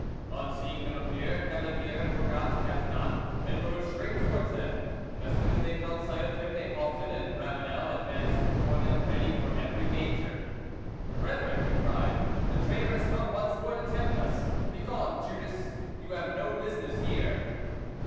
On seeing them appear, Cavalier forgot Catinat, and rode straight towards them. As soon as they caught sight of him they halted, and Ravanel advanced before them ready for every danger. "Brethren," he cried, "the traitor has come once more to tempt us. Begone, Judas! You have no business here."